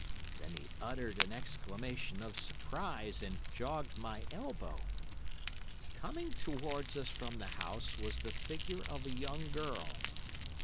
Then he uttered an exclamation of surprise and jogged my elbow. "Coming towards us from the house was the figure of a young girl.